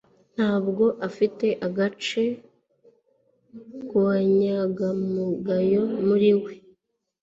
Ntabwo afite agace k'ubunyangamugayo muri we.